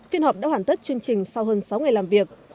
phiên họp đã hoàn tất chương trình sau hơn sáu ngày làm việc